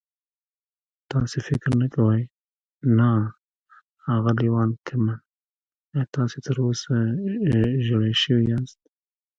تاسې فکر نه کوئ؟ نه، اغلې وان کمپن، ایا تاسې تراوسه ژېړی شوي یاست؟